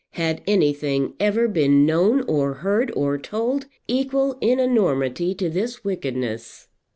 Had anything ever been known, or heard, or told, equal in enormity to this wickedness!